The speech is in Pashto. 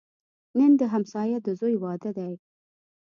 نن د همسایه د زوی واده دی